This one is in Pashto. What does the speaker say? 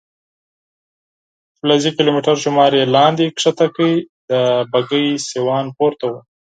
فلزي کیلومتر شمار یې لاندې کښته کړ، د بګۍ سیوان پورته و.